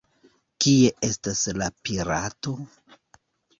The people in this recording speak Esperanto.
Kie estas la pirato?